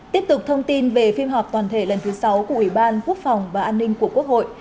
tiếp tục thông tin về phiên họp toàn thể lần thứ sáu của ủy ban quốc phòng và an ninh của quốc hội